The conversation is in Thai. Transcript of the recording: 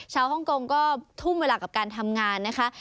ฮ่องกงก็ทุ่มเวลากับการทำงานนะคะ